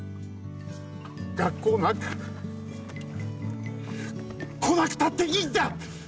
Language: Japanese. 学校なんか来なくたっていいんだ！